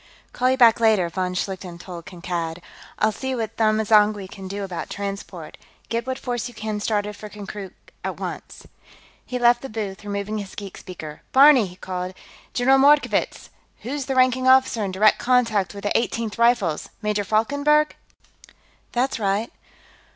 "Call you back, later," von Schlichten told Kankad. "I'll see what Them M'zangwe can do about transport; get what force you can started for Konkrook at once." He left the booth, removing his geek speaker. "Barney!" he called. "General Mordkovitz! Who's the ranking officer in direct contact with the Eighteenth Rifles? Major Falkenberg?" "That's right."